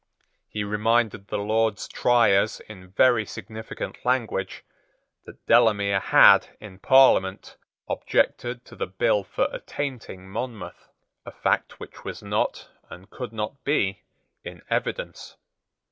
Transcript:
He reminded the Lords Triers, in very significant language, that Delamere had, in Parliament, objected to the bill for attainting Monmouth, a fact which was not, and could not be, in evidence.